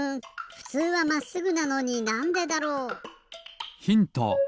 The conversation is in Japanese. ふつうはまっすぐなのになんでだろう？ヒント！